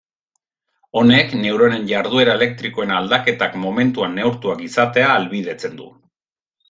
Honek, neuronen jarduera elektrikoen aldaketak momentuan neurtuak izatea ahalbidetzen du.